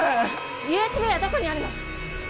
ＵＳＢはどこにあるの！